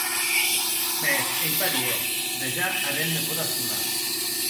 Mès ei parièr, dejà arren me pòt estonar.